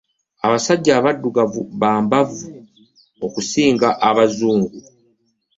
Abasajja abaddugavu ba mbavu okusinga abazungu.